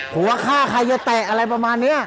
หัวฆ่าใครจะแตะอะไรประมาณนี้